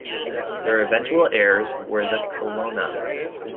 Their eventual heirs were the Colonna.